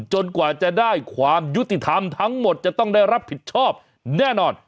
กว่าจะได้ความยุติธรรมทั้งหมดจะต้องได้รับผิดชอบแน่นอน